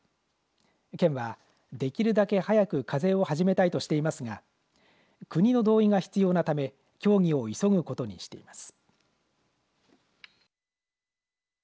県はできるだけ早く課税を始めたいとしていますが国の同意が必要なため協議を急ぐことにしています。